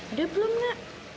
udah belum nak